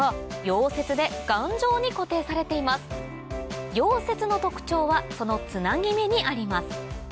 溶接の特徴はそのつなぎ目にあります